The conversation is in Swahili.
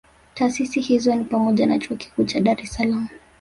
Taasisi hizo ni pamoja na Chuo Kikuu cha Dar es salaam